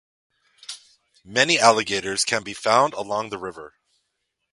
Many alligators can be found along the river.